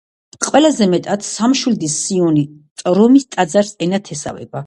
ყველაზე მეტად სამშვილდის სიონი წრომის ტაძარს ენათესავება.